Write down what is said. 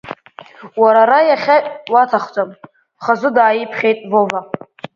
Уара ара иахьа уаҭахӡам, хазы дааиԥхьеит Вова.